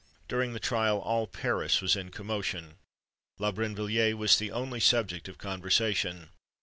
During the trial, all Paris was in commotion. La Brinvilliers was the only subject of conversation.